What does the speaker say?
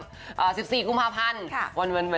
แต่ก็ไม่อยากเสียใจ